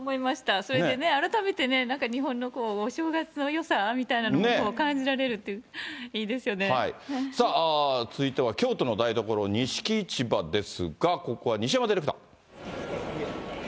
それでね、改めてね、なんか日本のお正月のよさみたいなのも感じられるって、いいです続いては京都の台所、錦市場ですが、ここは西山ディレクター。